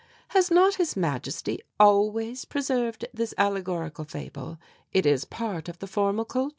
"Has not His Majesty always preserved this allegorical fable? It is part of the formal kultur."